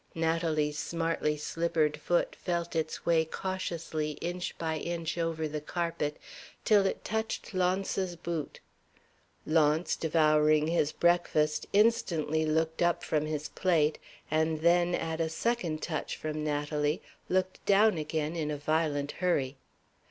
Natalie's smartly slippered foot felt its way cautiously inch by inch over the carpet till it touched Launce's boot. Launce, devouring his breakfast, instantly looked up from his plate, and then, at a second touch from Natalie, looked down again in a violent hurry.